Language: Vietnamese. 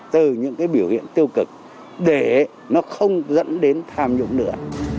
từ những cái biểu hiện tiêu cực để nó không dẫn đến tham nhũng nữa